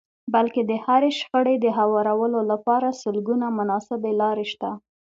بلکې د هرې شخړې د هوارولو لپاره سلګونه مناسبې لارې شته.